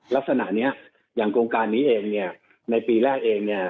ลักษณะนี้อย่างโครงการมีเองในปีแรกเอง